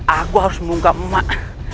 aku harus membuka emak